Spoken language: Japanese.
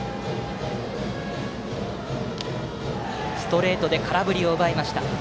ストレートで空振りを奪いました。